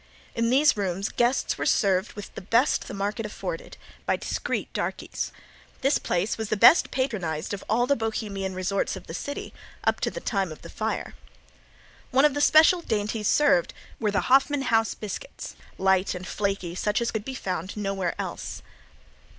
In these rooms guests were served with the best the market afforded, by discreet darkeys. This place was the best patronized of all the Bohemian resorts of the city up to the time of the fire. One of the special dainties served were the Hoffman House biscuits, light and flaky, such as could be found nowhere else.